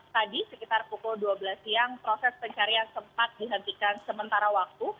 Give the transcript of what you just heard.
tadi sekitar pukul dua belas siang proses pencarian sempat dihentikan sementara waktu